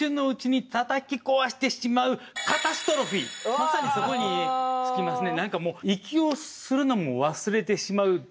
まさにそこに尽きますね。